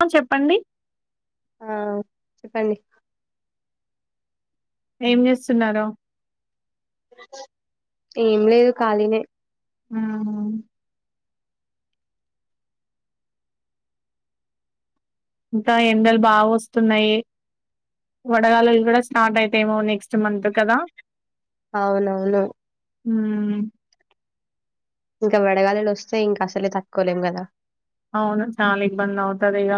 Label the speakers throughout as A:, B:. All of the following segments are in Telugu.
A: ఆ చెప్పండి
B: ఆ చెప్పండి
A: ఏం చేస్తున్నారు
B: ఏం లేదు ఖాళీనే
A: ఆ ఇంకా ఎండలు బాగొస్తున్నాయి వడగాలలు కూడా స్టార్ట్ అయితాఏమో నెక్స్ట్ మంత్ కదా
B: అవునవును
A: హ్మ్మ్
B: ఇంకా వడగాలిలు వస్తే ఇంకా అసలే తక్కోలేం కదా
A: అవును చాలిబ్బందవుతదిగ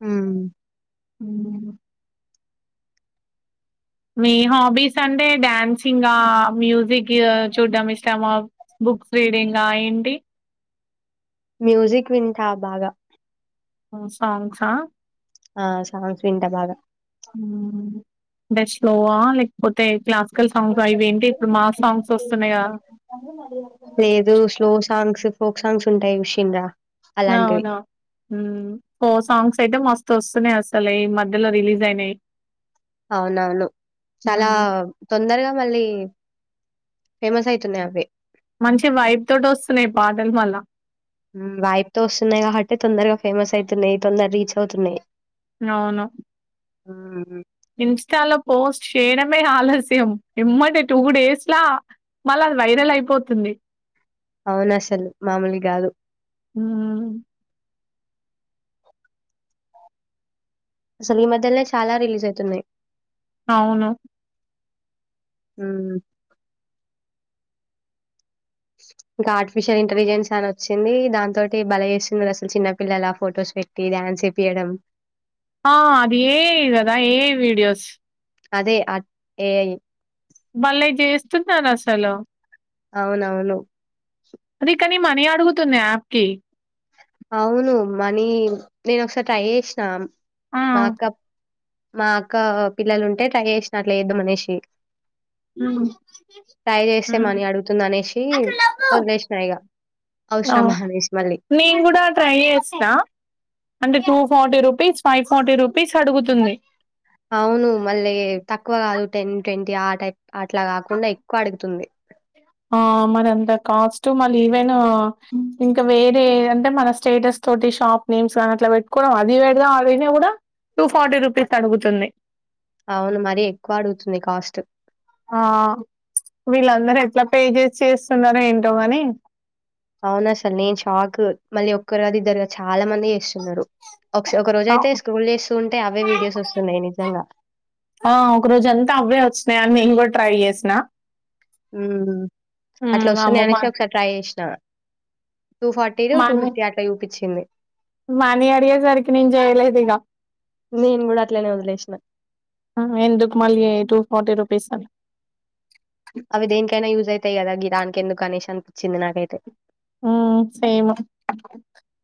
B: హ్మ్
A: మ్మ్ మీ హాబీస్ అంటే డాన్సింగా మ్యూజిక్ చూడ్డం ఇష్టమా బుక్స్ రీడింగా ఏంటి
B: మ్యూజిక్ వింటా బాగా
A: సాంగ్సా
B: ఆ సాంగ్స్ వింట బాగా
A: ంటేష్ లోవా లేకపోతే క్లాస్ వస్తున్నాయి కదా
B: లేదు స్లో సాంగ్స్ ఫోక్ సాంగ్స్ ఉంటాయి ఉషిన రా
A: నవునా పో సాంగ్స్ అయితే మస్త వస్తునేయి అసలు ఈ మధ్యలో రిలీజ్ అయినాయి
B: అవునవును చాలా
A: హ్మ్.
B: తొందరగా మళ్ళీ ఫేమస్ ఆయితునే అవే
A: మంచి వైపు తోటి వస్తున్నాయి పాటలు మళ్ల
B: వైపు త వస్తున్నాయి కాబట్టి తొందరగా ఫేమస్ అవుతున్నాయి తొందరగా రీచ్ అవుతున్నాయి
A: అవును
B: ఆ
A: ఇన్స్టలో పోస్ట్ క్షడమే ఆలస్యం ఏమ్మంటే టూ డేస్ లా మళ్ళ అది వైరల్ అయిపోతుంది
B: అవున అసలు మామూలు కాదు
A: హ
B: అసలీమ ఇ చాలా రిలీజ్ అవుతున్నాయి
A: అవును
B: అ ఇంకా ఆర్టిఫిషియల్ ఇంటెలిజెన్స్ అని వచ్చింది దాని తటి బల చేస్తుంది అసలు చిన్నపిల్లల ఫొటోస్ పెట్టి డ్యాన్స్ ఇప్పయడం
A: ఆ అది ఏ ఇదదా ఏ వీడియోస్
B: అదే అ ఏఐ
A: మళ్ళ చేస్తున్నాను అసలు
B: అవునవును
A: అది కాని మనీ అడుగుతున్నా యాప్కి
B: అవును మని నేను ఒకసారి ట్రై చేసిన
A: ఆ!
B: మాకా మా అక్క పిల్లలు ఉంటే ట్రై చేసినట్ లేద్దు మనిషి
A: హ్మ్.
B: ట్రై
A: హ్మ్.
B: చేస్తేమని అడుగుతుంది అనేసి వదిలేసినాయిక
A: అవును.
B: అవసరమా అనేసి మళ్ళీ
A: నేను ట్రై చేస్తా అంటే two forty rupees five forty rupees అడుగుతుంది
B: అవును మళ్ళీ తక్కువ కాదు టెన్ ట్వంటీ ఆ టైప్ అట్లా కాకుండా ఎక్కువ అడుగుతుంది
A: ఆ మరింత కాస్ట్ మళ్ళ ఈవెన్ ఇంకా వేరే అంటే మన స్టేటస్ తోటి షాప్ నేమ్స్ కాని అట్లా పెట్టుకోవడం అది పెడగా అదినా కూడా టూ ఫార్టీ రూపీస్ అడుగుతుంది
B: అవును మర ఎక్కువ అడుగుతుంది కాస్ట్
A: ఆ వీళ్ళందరూ ఎట్లా పే చేసి చేస్తున్నారో ఏంటోగాని
B: అవునాసలు నేను షాక్ మళ్ళీ ఒక్కరుగాది ఇద్దరుగా చాలా మంది చేస్తున్నారు ఒక ఒక రోజ
A: ఆ
B: అయితే స్క్రోల్ చేస్తూ ఉంటే అవే వీడియోస్ వస్తున్నాయి నిజంగా
A: మేము కూడా ట్రై చేసిన
B: మ్మ్
A: ఉమ్
B: అట్లా వస్తుంది
A: వామ్మో మా
B: అనేసి ఒకసారి ట్రై చేసినా two forty two
A: money
B: fifty అట్లా చూపించింది
A: మనీ అడిగేసరికి నేను చేయలేదు ఇక
B: నేను గూడా అట్లనే వదిలేసిన.
A: ఎందుకు మళ్ళీ టూ ఫార్టీ రూ పీస్ అని
B: అవి దేన్కైనా యూస్ అయితాయి కదా గిరాన్ ఎందుకు గణేష్ అనిపించింది నాకైతే
A: మ్మ్ సేమ్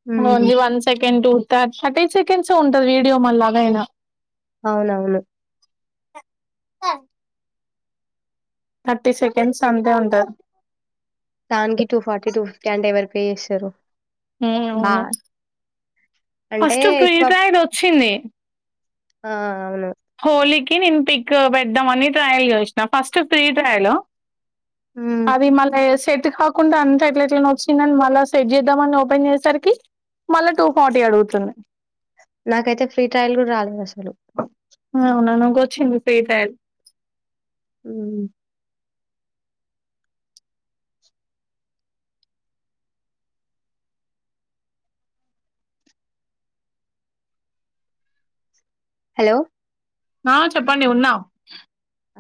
B: హ్మ్.
A: ఓన్లీ వన్ సైడ్ సెకటు థర్టీ సెకండ్స్ ఉంటది వీడియో మళ్ళలాగైనా
B: అవునవును
A: థర్టి సెకండ్స్ అంతే ఉంటాది
B: దానికి టూ ఫార్టీ టూ ఫిఫ్టీ అంటే ఎవరు పే చేస్తారు బా అంటే
A: ఫస్ట్ ఫ్రీ
B: ఎక్కువ
A: ఫైర్ వచ్చింది
B: ఆ అవును
A: హోలీకి నేను పిక్ పెడద్దా అని ట్రయల్ చేసిన ఫస్ట్ ఫ్రీ ట్రయలు
B: హ్మ్.
A: అది మళ సెట్ కాకుండా అంత ఎట్లా ఎట్ల వచ్చిందని మళ్ళా సెట్ చేద్దామని ఓపెన్ చేసే సరికి మళ్ళా టూ ఫార్టీ అడుగుతుంది
B: నాకైతే ఫ్రీ ట్రయల్ కూడా రాలేదు అసలు
A: ఉన నాకొచ్చింది ఫ్రీ ట్రయల్
B: మ్మ్ హలో
A: ఆ చెప్పండి ఉన్నా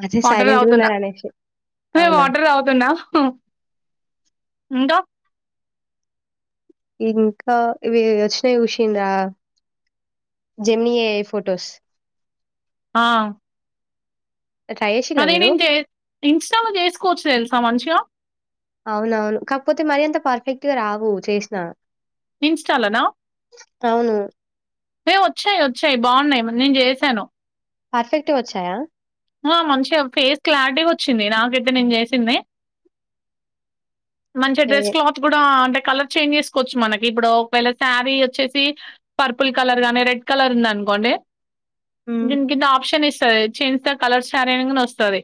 B: అదే
A: వాటర్ తాగుతున్నా
B: సైలెంట్‌గున్నారనేసి. అవునా!
A: వాటర్ తాగుతున్నా ఇంకా
B: ఇంకా ఇవి వచ్చినాయి చూసింద్రా జెమిని ఏఐ ఫొటోస్
A: ఆ
B: ట్రై చేసిల్లా
A: అదే
B: మీరు?
A: నేం చే ఇన్ స్టా లో చేసుకోవచ్చు తెలుసా మంచిగా
B: అవునవును. కాకపోతే మరీ అంత పర్ఫెక్ట్‌గా రావు చేసిన
A: ఇన్స్టా లోనా
B: అవును.
A: ఏ వచ్చాయి వచ్చాయి బాగున్నాయి నేను చేశాను
B: పర్ఫెక్ట్ గావచ్చాయా
A: మంచిగా ఫేస్ క్లారిటీ వచ్చింది నాకైతే నేను చేసింది మంచి
B: ఏ
A: డ్రెస్ క్లాత్ కూడా ఆన్ కలర్ చేంజ్ చేసుకోవచ్చు మనకి ఇప్పుడు ఒకవేళ శారీ వచ్చేసి పర్పుల్ కలర్ గాని రెడ్ కలర్ ఉంది అనుకోండి
B: హ్మ్.
A: దీనికింద ఆప్షన్ ఇ చినంత కలర్ సారీ అన్నగానే వస్తుంది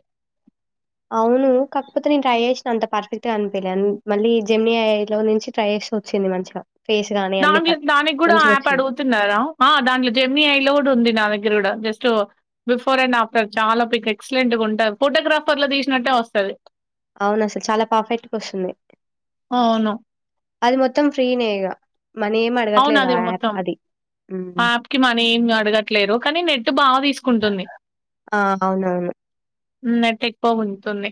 B: అవును కాకపోతే నేను ట్రై చేసిన అంత పర్ఫెక్ట్ గా అనిపలే మళ్ళీ జెమి ఏఐ లో నుంచి ట్రై చేసి వచ్చింది మంచిగా ఫేస్ గాని అన్ని
A: దాంట్లో
B: పట్
A: దానికి కూడా యాప్
B: మంచిగొచ్చినయి.
A: అడుగుతున్నారా దాంట్లో జమినిఐ లో కూడా ఉంది దానికి ఎర్రొడా జస్ట్ బిఫోర్ అండ్ ఆఫ్టర్ చాలా పిక్ ఎక్సలెంట్ గా ఉంట ఫోటోగ్రాఫర్ లు తీసినట్టే వస్తుంది
B: అవును అసలు చాలా పర్ఫెక్ట్ గా వస్తుంది
A: అవును.
B: అది మొత్తం ఫ్రీనే ఇగ మనీ ఏమి
A: అవున
B: అడగట్లేదు
A: అది
B: ఆ యాప్
A: మొత్తం
B: అది. హ్మ్.
A: యాప్కి మని ఏమి అడగట్లేరు కానీ నెట్ బాగా తీసుకుంటుంది
B: ఆ! అవునవును.
A: నెట్ ఎక్కువ గుంజుతుంది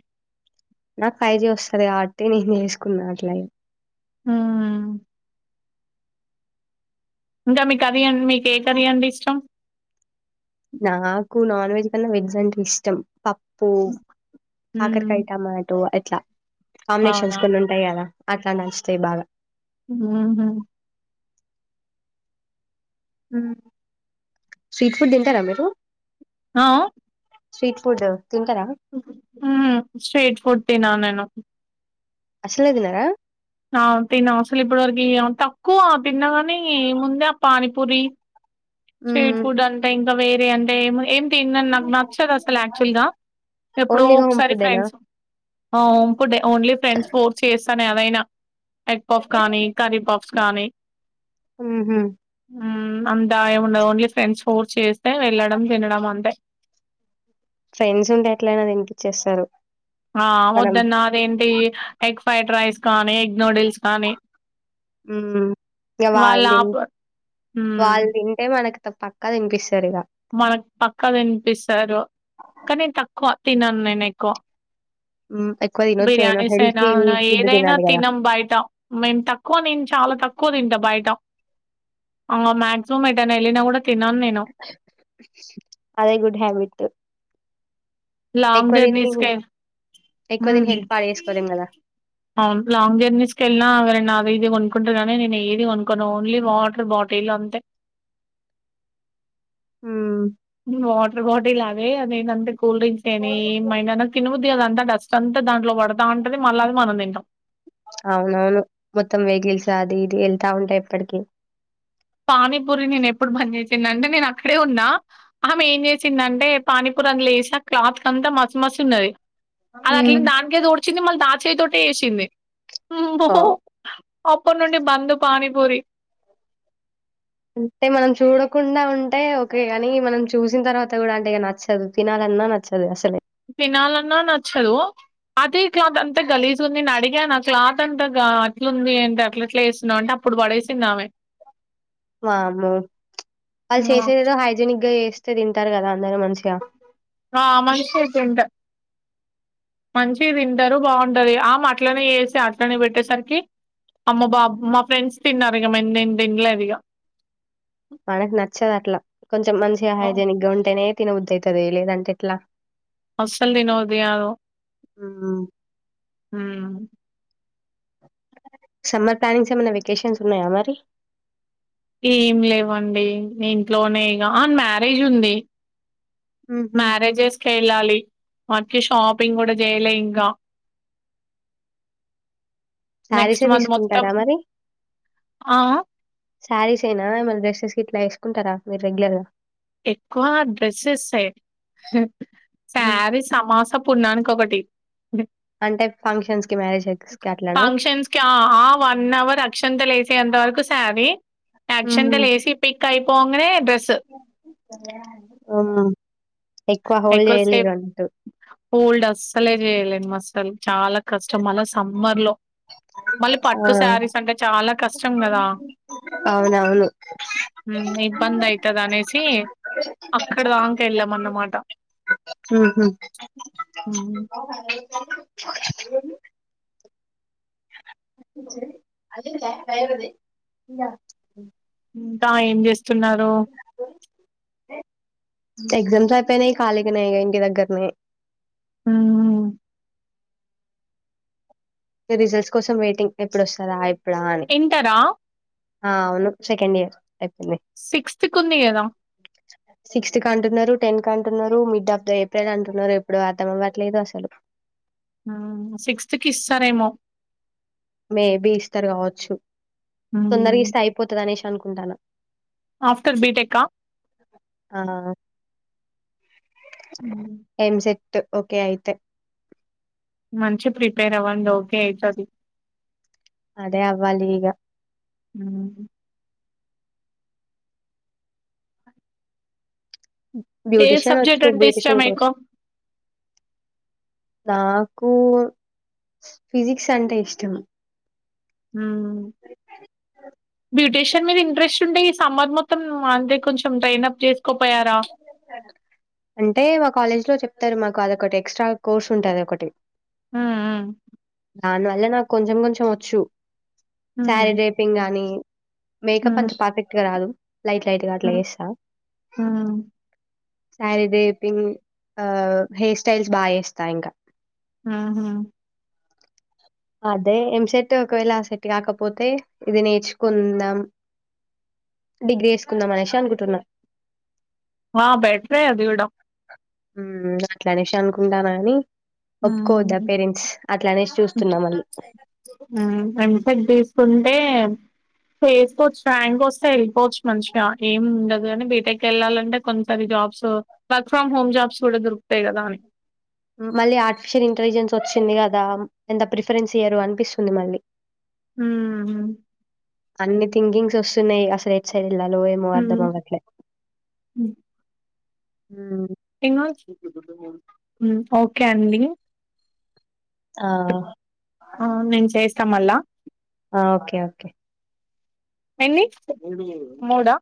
B: నాకు ఫై జీ వస్తుది కాబట్టి నేను తీసుకున్నా అట్లనే
A: ఊ ఇంకా మీకు అది మీకు ఏ కర్రీ అంటే ఇష్టం
B: నాకు నాన్ వెజ్ కన్నా వెజ్ అంటే ఇష్టం పప్పు
A: హ్మ్
B: కాకరకాయ టమాటో ట్లా కామినేషన్స్
A: అవునా
B: కొన్ని ఉంటాయి కదా అట్లా నచ్చితే బాగా
A: ఊ ఊ
B: స్ట్రీట్ ఫుడ్ తింటారా మీరు
A: ఆ
B: స్ట్రీట్ ఫుడ్ తింటారా?
A: స్ట్రీట్ ఫుడ్ త నా నను
B: అసలేదిన
A: ఆ తినం అసలు ఇప్పటివరకు తక్కువ తిన్నా కాని ముందే ఆ పానీపూరి స్ట్రీట్
B: హ్మ్
A: ఫుడ్ అంటేం వేరే అంటే ఏ తిందని నాకు నచ్చదు అసలు యాక్చువల్ గా ఎప్పుడో
B: ఓన్లీ హోమ్
A: ఒకసారి
B: ఫుడ్డేనా?
A: ఫ్రెండ్స్ ఇప్పుడు ఓన్లీ ఫ్రెండ్స్ ఫోర్స్ చేస్తానే అదైనా ఎగ్ పప్స్ కానీ కరీ పప్స్ కానీ
B: హ్మ్ హు
A: అంతాయం ఓన్లీ ఫ్రెండ్స్ ఫోర్స్ చేస్తే వెల్లడం తినడం అంతే
B: ఫ్రెండ్స్ ఉంటే ఎట్లయినాది ఇనిపిచ్చేస్తారు
A: ఆ వద్దన్నారేంటి ఫ్రైడ్ రైస్ కానీ ఎగ్ నూడిల్స్ కానీ
B: ఇ
A: వాళ్ళ
B: వాళ్ళు
A: ఆప హ్మ్
B: వాళ్ళ తింటే మనకు పక్కా తినిపిస్తారిక
A: మనకు పక్కా తినిపిస్తారు కానీ తక్కువ తినను నేను ఎక్కువ
B: హ్మ్ ఎక్కువ తినొద్దు అయినా
A: బిర్యానీస్
B: హెల్తీ
A: అయినా
B: ఫుడ్
A: ఏదైనా
B: తినాలి కదా.
A: తినం బయట మేము తక్కువ తి చాలా తక్కువ తింటాం బయట ఆ మాక్సిమం ఎటైనా ఎల్లినా కూడా తినను నేను
B: అదే గుడ్ హ్యాబిట్
A: లాంగ్
B: ఎక్కువ తిని
A: జర్నీస్కె
B: ఎక్కువ
A: హ్మ్
B: తిని హెల్త్ పాడు చేసుకోలేం కదా
A: అవును లాంగ్ జర్నీస్కెల్నా వేరైనా ఈజీగ్ ఉన్ కుంటున్నామే నేను ఏది కొనుకోను ఓన్లీ వాటర్ బాటిల్ అంతే
B: మ్
A: వాటర్ బాటిల్ అవే అదేంటంటే కూల్ డ్రింక్స్ ఏమి ఏమైనా నాక్ తిన్బుద్ ఇంతే గదా డస్ట్ అంతా దాంట్లో పడతా ఉంటది మళ్ళ అది మనం తింటాం.
B: అవునవును మొత్తం వెహికిల్స్ అది ఇది వెళ్తా ఉంటాయి ఎప్పటికి
A: పానీపూరి నేను ఎప్పుడు బంద్ చేసింది అంటే నేను అక్కడే ఉన్నా ఆమె ఏం చేసిందంటే పానీపూరి అని లేసా క్లాత్ అంతా మసి మస్ ఉన్నది. అది అట్లన్ దానికే తుడ్చింది మళ్ళ ఆ చేయ్ తోటే ఎసింది
B: ఓ
A: [unintelligible] అప్పడ్ నుండి బంద్ పానీపూరి
B: అంటే మనం చూడకుండా ఉంటే ఓకే కాని మనం చూసిన తర్వాత కూడా అంటే ఇక నచ్చదు తినాలన్నా నచ్చదు. అసలే
A: తినాలన్నా నచ్చదు. అదే క్లాత్ అంతే గలీజ్గుంది నేను అడిగాను ఆ క్లాత్ అంత గా అట్లుంది. అంటే అట్ల అట్లా వేస్తున్నావు అంటే అప్పుడు పడేసింది. ఆమె
B: వామ్మో వాళ్ళు చేసేదేదో హైజనిక్ గా చేస్త్ తీరింటారు గాదా
A: ఆ మన్షికే తింటా మంచిగ్ తింటారు బావుంటది. ఆమ్ అట్లనే వేసి అట్లనే పెట్టేసరికి అమ్మ బాబు మా ఫ్రెండ్స్ తిన్నారు. ఇక మేం తిన్ తినలేదు ఇక
B: మనకు నచ్చదు అట్లా కొంచెం మంచిగా హైజనిక్ గా ఉంటేనే తినబుద్ది అయితది. లేదంటే ఎట్లా
A: అసల్ తిన్న బుద్ది కాద్ హ్మ్
B: సమ్మర్ ప్లానింగ్స్ ఏమైనా వెకేషన్స్ ఉన్నాయా మరి
A: ఏం లేవండి నే ఇంట్లోనే ఇగా ఆ మ్యారేజ్ ఉంది.
B: ఉహు
A: మ్యారేజెస్కి వెళ్ళాలి [unintelligible] కి షాపింగ్ కూడా జేయ్లే ఇంకా నెక్స్ట్
B: శారీసే
A: మంత్ మొత్తం
B: తీసుకుంటారా మరి?
A: ఆ ఆ
B: శారీస్ యేన మళ్ళీ డ్రెస్సెస్ గిట్ల వేసుకుంటారా మీర్ రెగ్యులర్గా
A: ఎక్కువ డ్రెస్సెస్ యే
B: హ్మ్.
A: శారీస్ అమాషం పున్నానికి ఒకటి
B: అంటే ఫంక్షన్స్‌కి, మ్యారేజెస్‌కి అట్లనా?
A: ఫంక్షన్స్ కి ఆ ఆ వన్అవర్ అక్షంత లేస్ ఎంతవరకు సారీ అక్షింత
B: హ్మ్.
A: లేసి పిట్ కైపోంగానే డ్రస్ స్
B: ఆఆ
A: ఎక్కువసేపు హోల్డ్ అస్సలే చేయలేం మస్ త చాలా కష్టం మళ్ళ సమ్మర్ లో మళ్ళీ
B: ఆ!
A: పట్టు చ తల కష్టము అల సమర్ లో శారీస్ అంటే చాలా కష్టం కదా
B: అవునవును.
A: ఇబ్బంది అవుతుంది అనేసి అక్కడ దాక వెళ్ళాంన్నమాట
B: ఆ [unintelligible]
A: ఉమ్,
B: ఓహా [inaudible] [unintelligible] అదింట భయద [unintelligible]
A: ఇంకాా ఏం చేస్తున్నారు
B: ఎగ్జామ్స్ అయిపోయినాయి ఖాళీగానేయి ఇంటి దగ్గరనే
A: మ్మ్
B: రిజల్ట్స్ కోసం వెయిటింగ్ ఎప్పుడు వస్తారా
A: తింటార
B: ఆ అవును సెకండ్ ఇయర్ అయిపోయింది.
A: సిక్స్త్ కు ఉంది కదా
B: సిక్స్త్ క అంటున్నారు టెన్త్ క అంటున్నారు మిడ్ ఆఫ్ ద ఏప్రిల్ అంటున్నారు ఎప్పుడు అర్థం అవ్వట్లేదు అసలు
A: సిక్స్త్ కి ఇస్తారేమో
B: మేబి ఇస్తారు కావచ్చు తొందరగా ఇష్ట అయిపోతుంది అనేష అనుకుంటాను
A: ఆఫ్టర్ బీటెకాా
B: ఎంసె ఓకే అయితే
A: మంచి ప్రిపేర్ అవ్వండి ఓకే అయితది
B: అదే అవ్వ లీగా
A: మ్మ్ ఏ
B: బ్యూటిషయన్ వచ్చ
A: సబ్జెక్ట్ అంటే
B: బ్యటిషన్
A: ఇష్టం
B: కోస
A: ఎక్కువ
B: నాకు ఫిజిక్స్ అంటే ఇష్టం
A: బ్యూటీషియన్ మీద ఇంట్రెస్ట్ ఉంటే ఈ సమ్మర్ మొత్తం అంతే కొంచెం డ్రైన్ప్ చేసుకోపోయారా
B: అంటే ఒక కాలేజ్ లో చెప్తారు మాకు అదొ ఒకటి ఎక్స్ట్రా కోర్స్ ఉంటుంది ఒకటి
A: హ
B: దాని వల్ల నాకు కొంచెం కొంచెం వచ్చు
A: ఉమ్
B: శారీ రేపింగ్ గానీ మేకప్
A: ఉమ్
B: అంట పర్ఫెక్ట్గా రాదు లైట్ లైట్గా అట్లా
A: ఉమ్
B: చేస్తా
A: హ్మ్
B: శారీదే పింగ్ ఆ హెయిర్ స్టైల్స్ బాగా చేస్తా ఇంకా
A: ఆ హా
B: అదే ఎంసెట్ ఒకవేళ ఆ సెట్ కాకపోతే ఇది నేర్చుకుందాం డిగ్రీ వచెసుకుందాం అనేసి అనుకుంటున్నా
A: ఆ బెటరే అదివిడం
B: అట్లానేష అనుకుంటాను కాని ఒప్పుకోవద్దా
A: హ్మ్
B: పేరెంట్స్ అట్లానేసి చూస్తున్నాం మళ్ళు
A: ఎంటెక్ తీసుకుంటే చేసుకోవచ్చు ర్యాంక్ వస్తే వెళ్ళిపోవచ్చు మంచిగా ఏం ఉండదు కానీ బీటెక్ వెళ్ళాలంటే కొంతస jobs work from home jobs కూడా దొరుకు
B: మళ్ళీ ఆర్టిఫిషియల్ ఇంటెలిజెన్స్ వచ్చి వింది కదా ఎంత ప్రిఫరెన్స్ అయ్యో అనిపిస్తుంది మళ్ళీ
A: హ
B: అన్ని థింకింగ్స్ వస్తున్నాయి అసలు ఎ సర ఎలో ఏమో అర్ధమాట్లే
A: ఏనాచ్చ ఓకే అండి
B: ఆ
A: ఆ నేను చేసి స్తమల్
B: ఆ ఓకే ఓకే
A: ఎన్ని మూడా